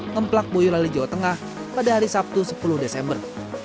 ngeplak boyolali jawa tengah pada hari sabtu sepuluh desember